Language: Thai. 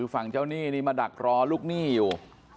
ฝั่งเจ้าหนี้นี่มาดักรอลูกหนี้อยู่